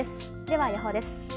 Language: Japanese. では予報です。